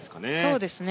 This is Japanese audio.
そうですね。